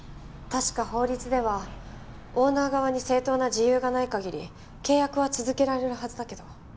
確か法律ではオーナー側に正当な事由がない限り契約は続けられるはずだけど。